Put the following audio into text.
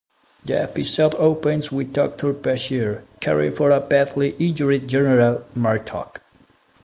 The episode opens with Doctor Bashir caring for a badly injured General Martok.